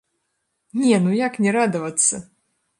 Не, ну як не радавацца?!